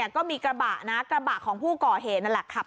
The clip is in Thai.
ก็มีกระบะของผู้ก่อเหตุนั่นแหละครับ